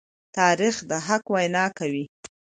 تاریخ د حق وینا کوي.